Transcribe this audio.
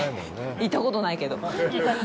行ったことないけど。